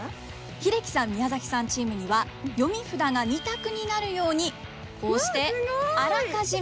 英樹さん宮崎さんチームには読み札が２択になるようにこうしてあらかじめ。